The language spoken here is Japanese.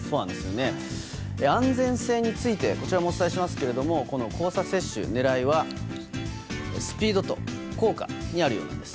安全性についてこちらもお伝えしますけれども交差接種、狙いはスピードと効果にあるようです。